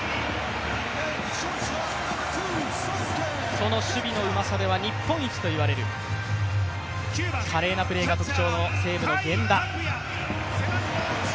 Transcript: その守備のうまさでは日本一といわれる華麗なプレーが特徴の西武の源田。